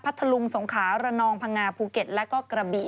ทะลุงสงขาระนองพังงาภูเก็ตแล้วก็กระบี่